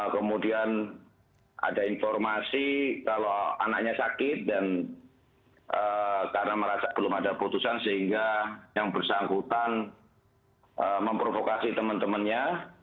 kemudian ada informasi kalau anaknya sakit dan karena merasa belum ada putusan sehingga yang bersangkutan memprovokasi teman temannya